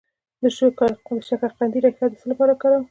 د شکرقندي ریښه د څه لپاره وکاروم؟